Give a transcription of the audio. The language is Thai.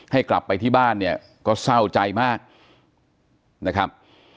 ให้กลับไปที่บ้านเนี่ยก็เศร้าใจมากนะครับ